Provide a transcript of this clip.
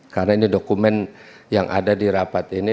karena ini dokumen yang ada di rapat ini